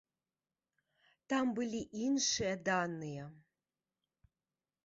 Там былі іншыя даныя.